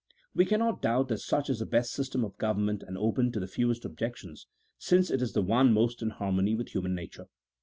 We cannot doubt that such is the best system of government and open to the fewest objections, since it is the one most in harmony with human nature.